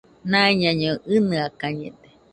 Naiñaiño ɨnɨakañede